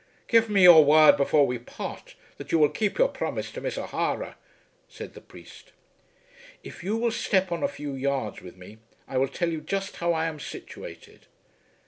"Give me your word before we part that you will keep your promise to Miss O'Hara," said the priest. "If you will step on a few yards with me I will tell you just how I am situated."